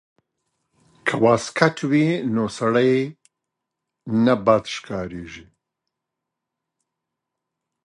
که واسکټ وي نو سړی نه بد ښکاریږي.